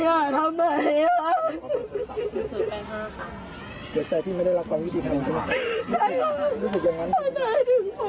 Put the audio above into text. อยากให้เดี๋ยวนี้อยากให้ดำนึงการเฟ้ยบ้างฮะ